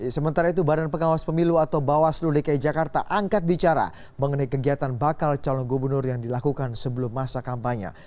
sementara itu badan pengawas pemilu atau bawaslu dki jakarta angkat bicara mengenai kegiatan bakal calon gubernur yang dilakukan sebelum masa kampanye